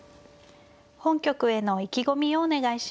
本局への意気込みをお願いします。